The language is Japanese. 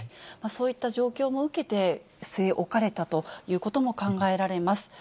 そういった状況も受けて、据え置かれたということも考えられます。